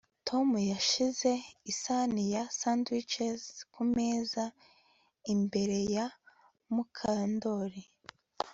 Tom yashyize isahani ya sandwiches kumeza imbere ya Mukandoli